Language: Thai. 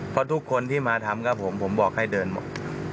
เพราะทุกคนที่มาทำกับผมผมบอกให้เดินหมด